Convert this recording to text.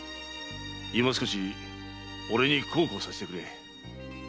いま少し俺に孝行させてくれ。